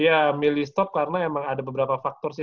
ya milih stop karena emang ada beberapa faktor sih